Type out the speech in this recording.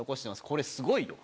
これすごいよ。